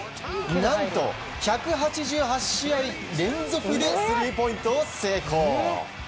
何と１８８試合連続でスリーポイントを成功。